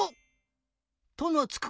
「と」のつく